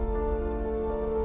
saya tidak tahu